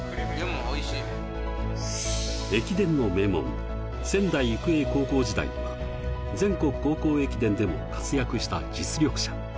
駅伝の名門、仙台育英高校時代には、全国高校駅伝でも活躍した実力者。